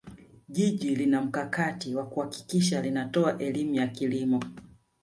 jiji linamkakati wa kuhakikisha linatoa elimu ya kilimo